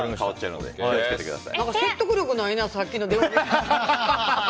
説得力ないな、さっきのじゃ。